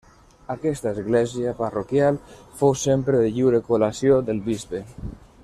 Aquesta església parroquial fou sempre de lliure col·lació del bisbe.